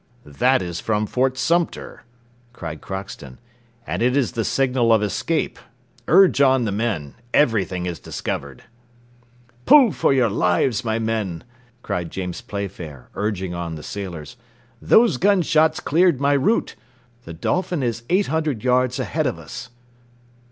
"That is from Fort Sumter," cried Crockston, "and it is the signal of escape. Urge on the men; everything is discovered." "Pull for your lives, my men!" cried James Playfair, urging on the sailors, "those gun shots cleared my route. The Dolphin is eight hundred yards ahead of us.